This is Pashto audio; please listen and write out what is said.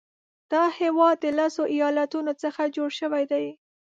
دا هیواد د لسو ایالاتونو څخه جوړ شوی دی.